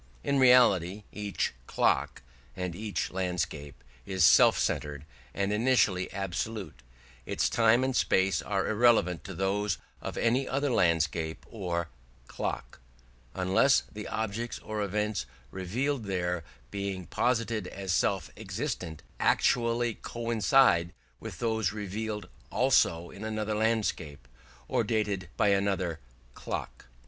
In reality, each "clock" and each landscape is self centred and initially absolute: its time and space are irrelevant to those of any other landscape or "clock", unless the objects or events revealed there, being posited as self existent, actually coincide with those revealed also in another landscape, or dated by another "clock".